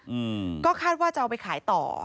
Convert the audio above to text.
อืมก็คาดว่าจะเอาไปขายต่อ